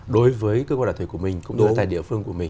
đối với cơ quan đoàn thể của mình cũng như là tại địa phương của mình